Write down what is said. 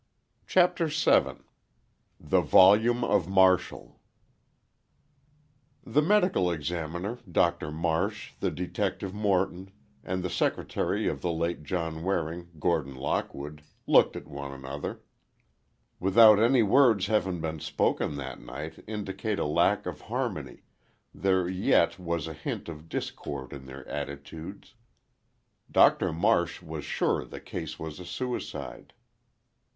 CHAPTER VII THE VOLUME OF MARTIAL The Medical Examiner, Doctor Marsh, the Detective Morton, and the Secretary of the late John Waring, Gordon Lockwood, looked at one another. Without any words having been spoken that might indicate a lack of harmony, there yet was a hint of discord in their attitudes. Doctor Marsh was sure the case was a suicide.